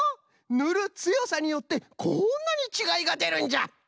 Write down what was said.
ぬるつよさによってこんなにちがいがでるんじゃ。